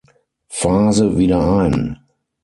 Phase wieder ein.